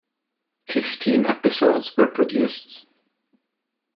Fifteen episodes were produced.